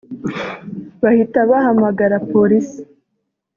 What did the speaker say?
bahita bahamagara Polisi